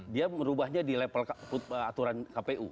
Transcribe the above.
dia merubahnya di level aturan kpu